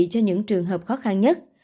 cho những trường hợp khó khăn nhất